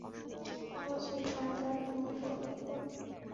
আবার সেই কারাগার মনে পড়িল।